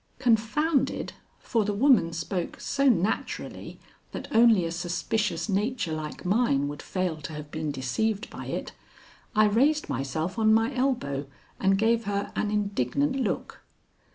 Confounded, for the woman spoke so naturally that only a suspicious nature like mine would fail to have been deceived by it, I raised myself on my elbow and gave her an indignant look.